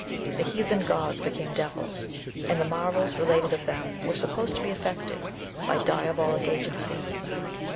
The heathen gods became devils, and Volq marvels related of them were supposed to be effected by diaboUc agency.